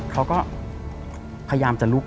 เขาก็พยายามจะลุก